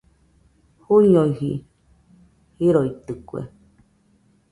Juñoiji joroitɨkue.